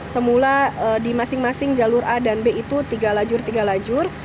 semula di masing masing jalur a dan b itu tiga lajur tiga lajur